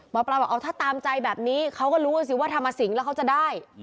หมอปลาบอกเอาถ้าตามใจแบบนี้เขาก็รู้ว่าสิว่าธรรมสิงห์แล้วเขาจะได้